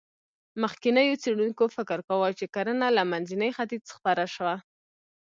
مخکېنو څېړونکو فکر کاوه، چې کرنه له منځني ختیځ خپره شوه.